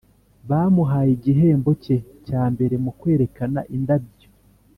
bamuhaye igihembo cye cya mbere mu kwerekana indabyo.